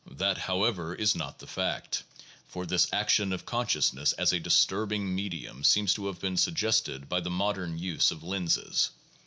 That, however, is not the fact, for this action of consciousness as a disturbing medium seems to have been suggested by the modern use of lenses.